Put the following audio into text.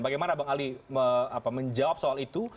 bagaimana bang ali menjawab soal itu